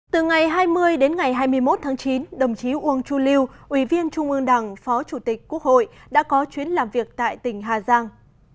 từ ngày hai mươi đến ngày hai mươi một tháng chín đồng chí uông chu lưu ủy viên trung ương đảng phó chủ tịch quốc hội đã có chuyến làm việc tại tỉnh hà giang